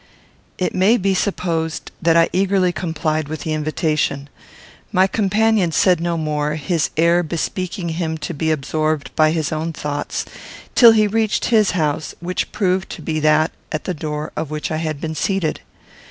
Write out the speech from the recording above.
It may be supposed that I eagerly complied with the invitation. My companion said no more, his air bespeaking him to be absorbed by his own thoughts, till he reached his house, which proved to be that at the door of which I had been seated.